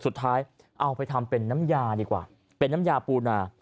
เอาไปทำเป็นน้ำยาดีกว่าเป็นน้ำยาปูนา